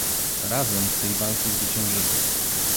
Razem w tej walce zwyciężymy